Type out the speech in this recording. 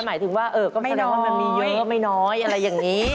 หมายถึงว่าก็ไม่น้อยมันมีเยอะไม่น้อยอะไรอย่างนี้